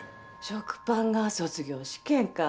食パンが卒業試験か。